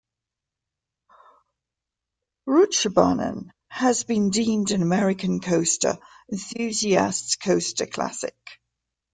"Rutschebanen" has been deemed an American Coaster Enthusiasts Coaster Classic.